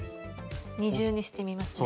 二重にしてみますね。